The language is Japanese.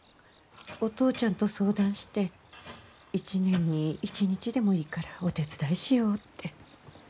お父ちゃんと相談して一年に一日でもいいからお手伝いしようって。